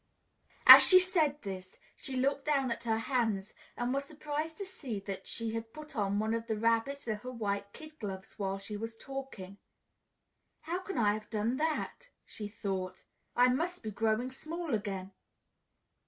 As she said this, she looked down at her hands and was surprised to see that she had put on one of the Rabbit's little white kid gloves while she was talking. "How can I have done that?" she thought. "I must be growing small again."